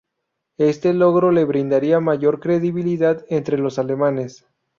Este logro le brindaría mayor credibilidad entre los alemanes.